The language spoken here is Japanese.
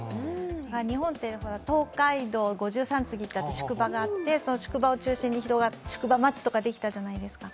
日本って、東海道五十三次宿場があって、その宿場を中心に宿場町ってできたじゃないですか。